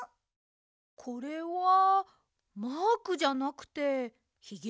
これはマークじゃなくてヒゲですね。